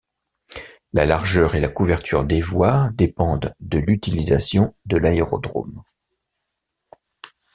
La largeur et la couverture des voies dépendent de l'utilisation de l'aérodrome.